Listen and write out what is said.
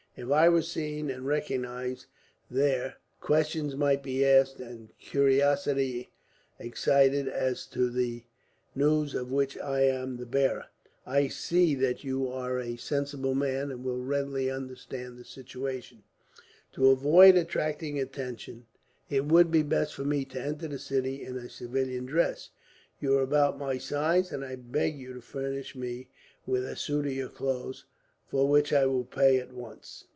If I were seen and recognized there, questions might be asked, and curiosity excited as to the news of which I am the bearer. "I see that you are a sensible man, and will readily understand the situation. To avoid attracting attention, it would be best for me to enter the city in a civilian dress. You are about my size, and I beg you to furnish me with a suit of your clothes, for which I will pay at once."